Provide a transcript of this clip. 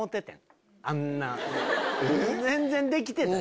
全然できてたし。